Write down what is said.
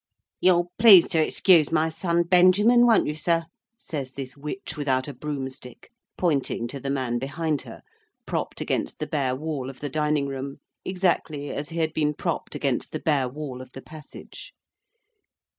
"You'll please to excuse my son, Benjamin, won't you, sir?" says this witch without a broomstick, pointing to the man behind her, propped against the bare wall of the dining room, exactly as he had been propped against the bare wall of the passage.